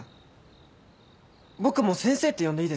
僕も先生って呼んでいいですか？